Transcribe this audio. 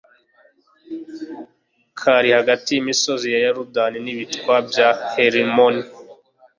kari hagati y'imisozi ya yorudani n'ibitwa bya herimoni